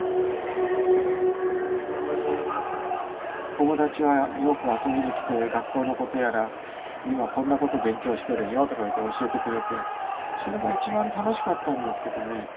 友達はよく遊びに来て学校のことやら今こんなこと勉強してるんよとか言うて教えてくれてそれが一番楽しかったんですけどね。